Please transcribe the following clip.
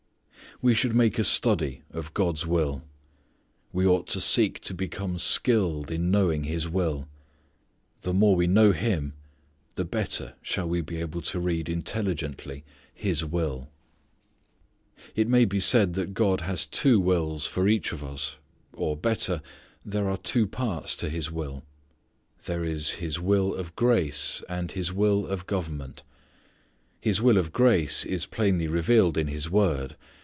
We should make a study of God's will. We ought to seek to become skilled in knowing His will. The more we know Him the better shall we be able to read intelligently His will. It may be said that God has two wills for each of us, or, better, there are two parts to His will. There is His will of grace, and His will of government. His will of grace is plainly revealed in His Word.